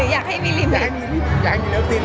อยากที่มีอย่าทำให้มี